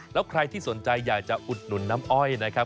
แล้วใครที่สนใจอยากจะอุดหนุนน้ำอ้อยนะครับ